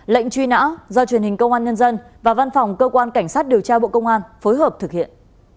lệnh truy nã do truyền hình công an nhân dân và văn phòng cơ quan cảnh sát điều tra bộ công an phối hợp thực hiện